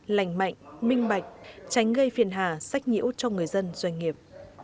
lành mạnh minh bạch tránh gây phiền hà sách nhiễu cho người dân doanh nghiệp